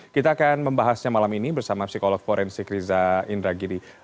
kita akan membahasnya malam ini bersama psikolog forensik riza indragiri